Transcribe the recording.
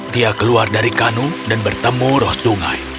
dia keluar dari kanu dan bertemu roh sungai